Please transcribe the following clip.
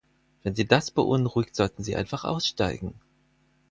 Wenn Sie das beunruhigt, sollten sie einfach aussteigen!